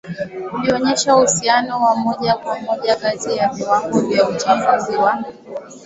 ulionyesha uhusiano wa moja kwa moja kati ya viwango vya uchafuzi wa